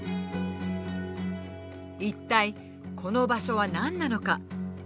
一体この場所は何なのか。